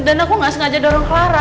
dan aku gak sengaja dorong clara